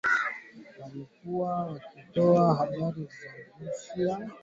Walikuwa wakitoa habari za ujasusi